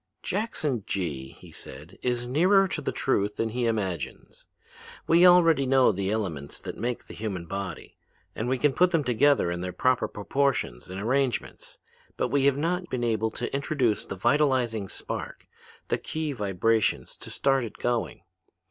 'Jackson Gee,' he said, 'is nearer to the truth than he imagines. We already know the elements that make the human body, and we can put them together in their proper proportions and arrangements: but we have not been able to introduce the vitalizing spark, the key vibrations to start it going.